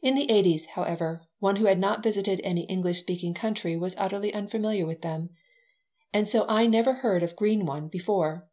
In the eighties, however, one who had not visited any English speaking country was utterly unfamiliar with them. And so I had never heard of "green one" before.